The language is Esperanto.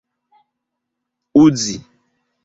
uzi